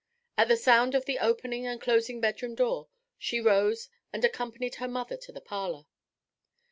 At the sound of the opening and closing bedroom door, she rose and accompanied her mother to the parlour.